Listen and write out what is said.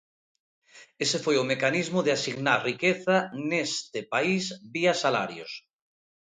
Ese foi o mecanismo de asignar riqueza neste país vía salarios.